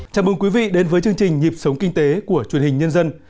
chào mừng quý vị đến với chương trình nhịp sống kinh tế của truyền hình nhân dân